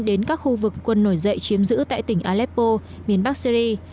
đến các khu vực quân nổi dậy chiếm giữ tại tỉnh aleppo miền bắc syri